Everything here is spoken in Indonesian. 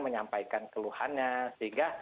menyampaikan keluhannya sehingga